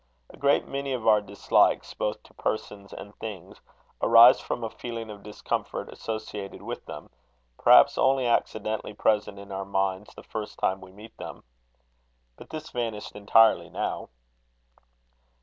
A great many of our dislikes, both to persons and things, arise from a feeling of discomfort associated with them, perhaps only accidentally present in our minds the first time we met them. But this vanished entirely now.